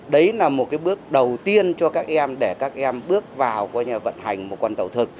đấy là một bước đầu tiên cho các em để các em bước vào vận hành một con tàu thực